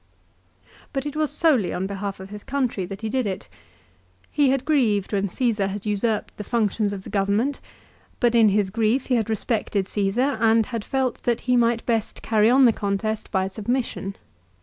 But it was solely on behalf of his country that he did it. He had grieved when Caesar had usurped the functions of the government ; but in his grief he had respected Caesar and had felt that he might best carry on the contest by submission.